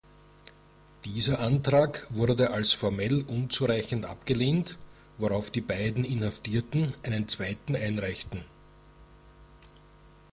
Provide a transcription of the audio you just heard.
Dieser Antrag wurde als formell unzureichend abgelehnt, worauf die beiden Inhaftierten einen zweiten einreichten.